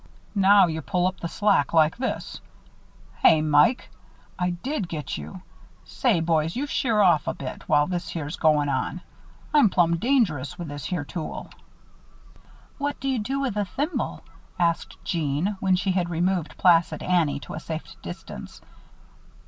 "Now, you pull up the slack like this Hey, Mike! I did get you Say, boys, you sheer off a bit while this here's goin' on. I'm plum' dangerous with this here tool." "What do you do with the thimble?" asked Jeanne, when she had removed placid Annie to a safe distance.